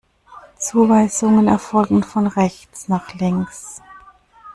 Zuweisungen erfolgen von rechts nach links.